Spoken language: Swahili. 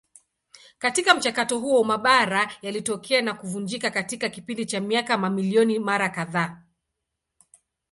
Katika mchakato huo mabara yalitokea na kuvunjika katika kipindi cha miaka mamilioni mara kadhaa.